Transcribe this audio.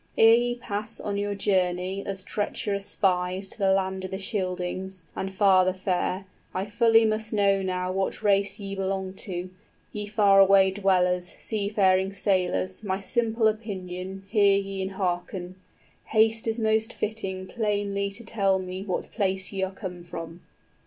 Ere ye pass on your journey As treacherous spies to the land of the Scyldings 65 And farther fare, I fully must know now What race ye belong to. Ye far away dwellers, Sea faring sailors, my simple opinion Hear ye and hearken: haste is most fitting Plainly to tell me what place ye are come from."